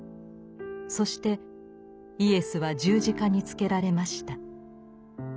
そしてイエスは十字架につけられました。